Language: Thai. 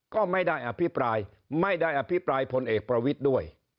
ก็ไม่ได้อภิปรายไม่ได้อภิปรายพลเอกประวิทย์ด้วย